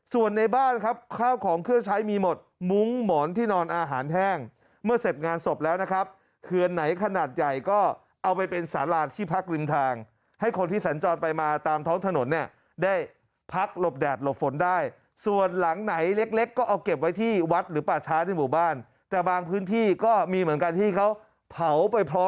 ส่วนในบ้านครับข้าวของเครื่องใช้มีหมดมุ้งหมอนที่นอนอาหารแห้งเมื่อเสร็จงานศพแล้วนะครับเขื่อนไหนขนาดใหญ่ก็เอาไปเป็นสาราที่พักริมทางให้คนที่สัญจรไปมาตามท้องถนนเนี่ยได้พักหลบแดดหลบฝนได้ส่วนหลังไหนเล็กก็เอาเก็บไว้ที่วัดหรือป่าช้าในหมู่บ้านแต่บางพื้นที่ก็มีเหมือนกันที่เขาเผาไปพร้อม